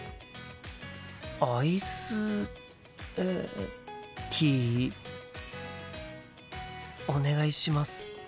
アイスえティーお願いします。